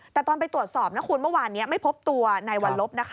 แต่ตอนไปตรวจสอบคุณเมื่อวานนี้ไม่พบตัวนายวัลลบ